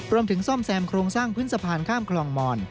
ซ่อมแซมโครงสร้างพื้นสะพานข้ามคลองมอน